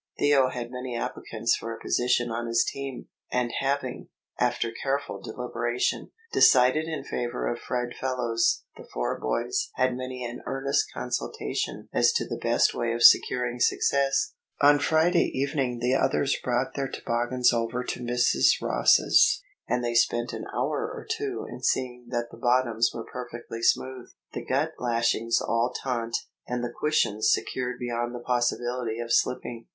Theo had many applicants for a position on his team, and having, after careful deliberation, decided in favour of Fred Fellows, the four boys had many an earnest consultation as to the best way of securing success. On Friday evening the others brought their toboggans over to Mrs. Ross's, and they spent an hour or two in seeing that the bottoms were perfectly smooth, the gut lashings all taut, and the cushions secured beyond the possibility of slipping.